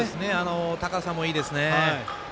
高さもいいですね。